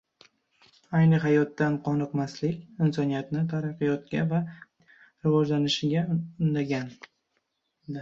Ayni hayotdan qoniqmaslik insoniyatni taraqqiyotga va madaniyat rivojlanishiga undagan.